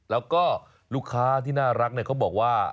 แล้วก็ลูกค้าที่น่ารักเขาบอกว่า